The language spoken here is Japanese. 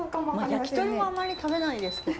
焼き鳥もあんまり食べないですけど。